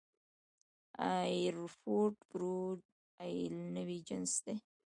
اېرفوډ پرو د اېپل نوی جنس دی